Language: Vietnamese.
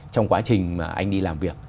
trong quá trình mà anh đi làm việc